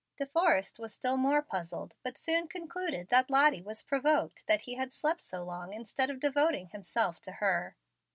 De Forrest was still more puzzled; but soon concluded that Lottie was provoked that he had slept so long instead of devoting himself to her.